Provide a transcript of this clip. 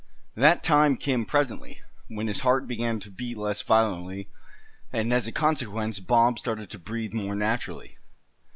That time came presently, when his heart began to beat less violently; and as a consequence Bob started to breathe more naturally.